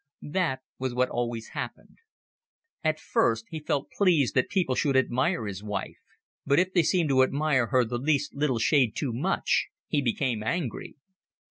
That was what always happened. At first he felt pleased that people should admire his wife; but if they seemed to admire her the least little shade too much, he became angry.